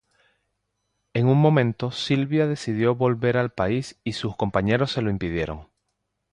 En un momento Sylvia decidió volver al país y sus compañeros se lo impidieron.